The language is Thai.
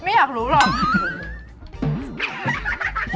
ไม่อยากรู้หรอก